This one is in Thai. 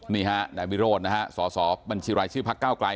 นี่ฮะนายวิโรธสบชภกไกล